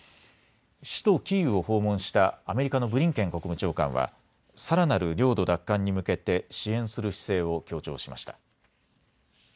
首都キーウを訪問したアメリカのブリンケン国務長官はさらなる領土奪還に向けて支援する姿勢を強調しました。